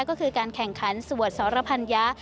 ก็คือการแข่งขันสวดสรพัญญะ